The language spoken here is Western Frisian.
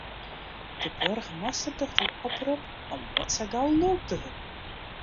De boargemaster docht in oprop om net sa gau lulk te wurden.